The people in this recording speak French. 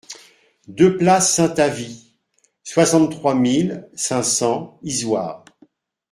deux place Saint-Avit, soixante-trois mille cinq cents Issoire